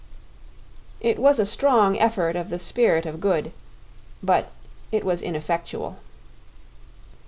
It was a strong effort of the spirit of good, but it was ineffectual.